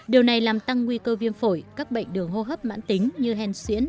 điều này làm tăng nguy cơ viêm phổi các bệnh đường hô hấp mãn tính như hèn xuyễn